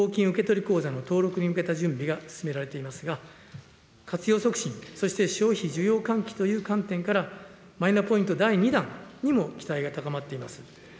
受け取り口座の登録に向けた準備が進められていますが、活用促進、そして消費需要喚起という観点からマイナポイント第２弾にも期待が高まっています。